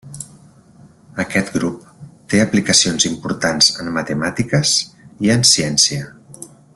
Aquest grup té aplicacions importants en matemàtiques i en ciència.